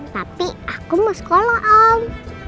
tapi aku mau sekolah om